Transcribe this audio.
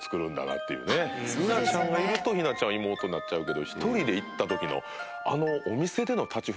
結菜ちゃんがいると陽菜ちゃんは妹になっちゃうけど１人で行った時の。